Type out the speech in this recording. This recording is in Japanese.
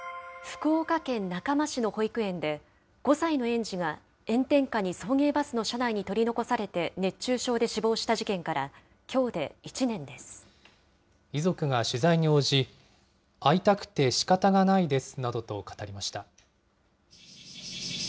福岡県中間市の保育園で、５歳の園児が炎天下に送迎バスの車内に取り残されて熱中症で死亡遺族が取材に応じ、会いたくてしかたがないですなどと語りました。